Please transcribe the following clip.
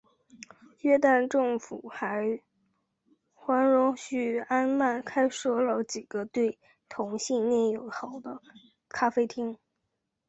约旦政府还容许安曼开设了几个对同性恋友好的咖啡厅。